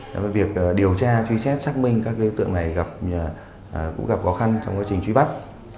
và việc điều tra truy xét xác minh các đối tượng này cũng gặp khó khăn trong quá trình truy bắt